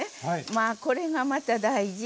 まあこれがまた大事。